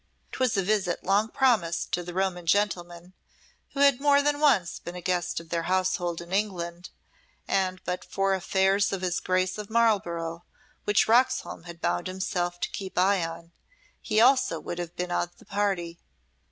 'Twas a visit long promised to the Roman gentleman who had more than once been a guest of their household in England; and but for affairs of his Grace of Marlborough, which Roxholm had bound himself to keep eye on, he also would have been of the party.